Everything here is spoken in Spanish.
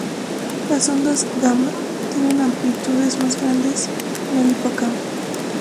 Las ondas gamma tienen amplitudes más grandes en el hipocampo.